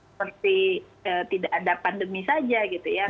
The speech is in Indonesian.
seperti tidak ada pandemi saja gitu ya